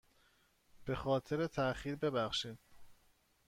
به خاطر تاخیر ببخشید.